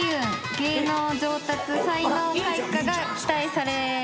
芸能上達才能開花が期待されます。